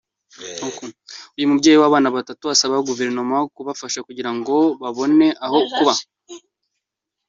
Uyu mubyeyi w’abana batatu asaba guverinoma kubafasha kugirango babone aho kuba.